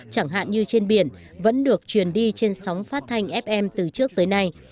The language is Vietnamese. chẳng hạn như trên biển vẫn được truyền đi trên sóng phát thanh fm từ trước tới nay